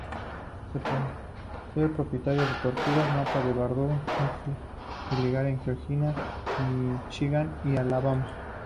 Ser propietario de tortugas mapa de Barbour es ilegal en Georgia, Míchigan y Alabama.